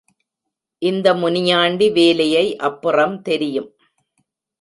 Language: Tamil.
இந்த முனியாண்டி வேலையை அப்புறம் தெரியும்.